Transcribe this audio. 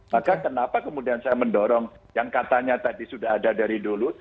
maka kenapa kemudian saya mendorong yang katanya tadi sudah ada dari dulu